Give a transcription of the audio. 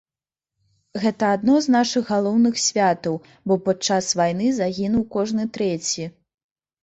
Гэта адно з нашых галоўных святаў, бо падчас вайны загінуў кожны трэці.